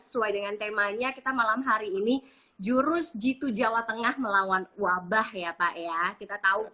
sesuai dengan temanya kita malam hari ini jurus jitu jawa tengah melawan wabah ya pak ya kita tahu